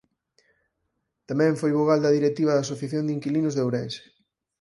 Tamén foi vogal da directiva da Asociación de inquilinos de Ourense.